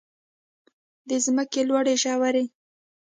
د ځمکې لوړې ژورې.